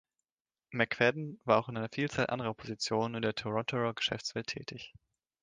McFadden war auch in einer Vielzahl anderer Positionen in der Torontoer Geschäftswelt tätig.